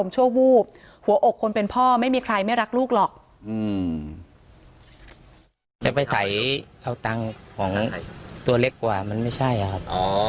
จะไปใส่เอาตังค์ของตัวเล็กกว่ามันไม่ใช่ครับ